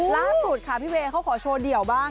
ล่าสุดค่ะพี่เวย์เขาขอโชว์เดี่ยวบ้าง